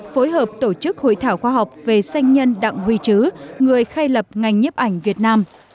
phối hợp tổ chức hội thảo khoa học về sanh nhân đặng huy trứ người khai lập ngành nhấp ảnh việt nam